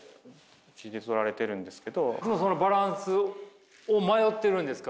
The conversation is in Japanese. そのバランスを迷ってるんですか？